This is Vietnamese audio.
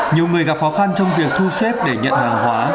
nhiều người gặp khó khăn trong việc thu xếp để nhận hàng hóa